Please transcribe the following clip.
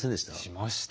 しました。